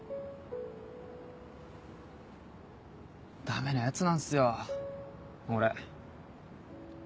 ダメなヤツなんすよ俺。